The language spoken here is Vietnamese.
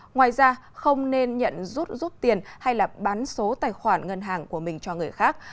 ngoài ra không nên nhận rút rút tiền hay là bán số tài khoản ngân hàng của mình cho người khác